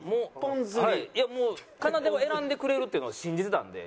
いやもうかなでは選んでくれるっていうのを信じてたんで。